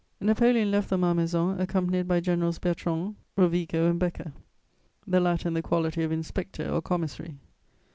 * Napoleon left the Malmaison accompanied by Generals Bertrand, Rovigo and Beker, the latter in the quality of inspector or commissary.